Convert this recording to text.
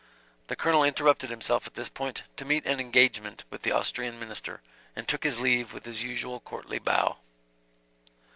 The Colonel interrupted himself at this point to meet an engagement with the Austrian minister, and took his leave with his usual courtly bow.